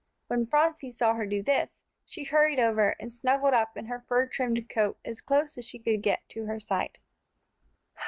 When Phronsie saw her do this, she hurried over, and snuggled up in her fur trimmed coat as close as she could get to her side.